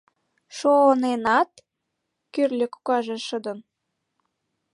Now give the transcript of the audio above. — Шо-оненат?! — кӱрльӧ кокаже шыдын.